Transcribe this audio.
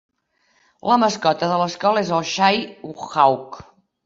La mascota de l'escola és el "Skyhawk".